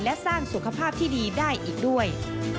และสร้างสุขภาพที่ดีได้อีกด้วย